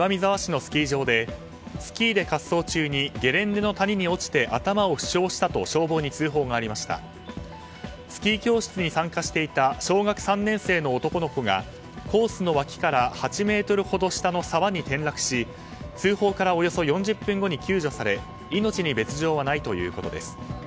スキー教室に参加していた小学３年生の男の子がコースの脇から８ｍほど下の沢に転落し通報からおよそ４０分後に救助され命に別条はないということです。